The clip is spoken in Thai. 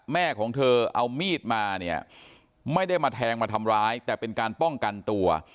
แม่ของเธอเอามีดมาเนี่ยไม่ได้มาแทงมาทำร้ายแต่เป็นการป้องกันตัว